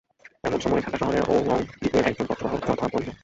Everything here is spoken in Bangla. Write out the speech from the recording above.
এমন সময়ে ঢাকা শহরে ঔরংজীবের একজন পত্রবাহক চর ধরা পড়িল।